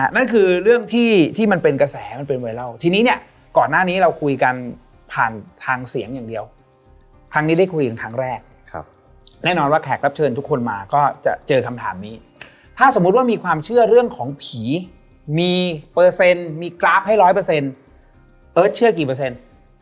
นั่นคือเรื่องที่ที่มันเป็นกระแสมันเป็นไวรัลทีนี้เนี่ยก่อนหน้านี้เราคุยกันผ่านทางเสียงอย่างเดียวครั้งนี้ได้คุยกันครั้งแรกแน่นอนว่าแขกรับเชิญทุกคนมาก็จะเจอคำถามนี้ถ้าสมมุติว่ามีความเชื่อเรื่องของผีมีเปอร์เซ็นต์มีกราฟให้ร้อยเปอร์เซ็นต์เอิร์ทเชื่อกี่เปอร์เซ็นต์